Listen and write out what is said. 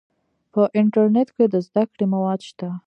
په انټرنیټ کې د زده کړې مواد شته.